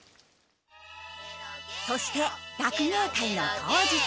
そして学芸会の当日。